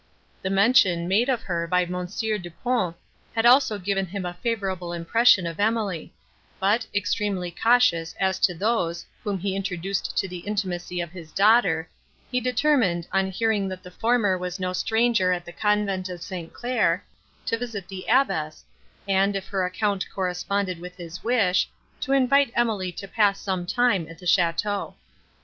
The mention, made of her by Mons. Du Pont, had also given him a favourable impression of Emily; but, extremely cautious as to those, whom he introduced to the intimacy of his daughter, he determined, on hearing that the former was no stranger at the convent of St. Claire, to visit the abbess, and, if her account corresponded with his wish, to invite Emily to pass some time at the château.